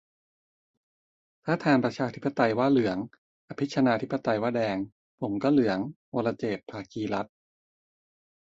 ถ้าแทนประชาธิปไตยว่าเหลือง อภิชนาธิปไตยว่าแดง ผมก็เหลือง - วรเจตน์ ภาคีรัตน์